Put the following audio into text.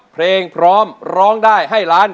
เพลงพร้อมร้องได้ให้ล้าน